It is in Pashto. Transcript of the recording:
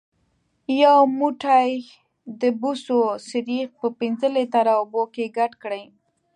یو موټی د بوسو سريښ په پنځه لیتره اوبو کې ګډ کړئ.